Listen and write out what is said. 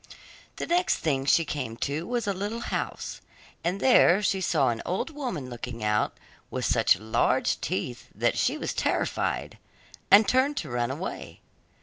The next thing she came to was a little house, and there she saw an old woman looking out, with such large teeth, that she was terrified, and turned to run away.